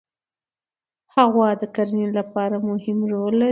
هوا د کرنې لپاره مهم رول لري